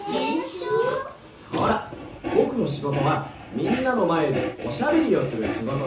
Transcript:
ほらぼくのしごとはみんなのまえでおしゃべりをするしごとだろ？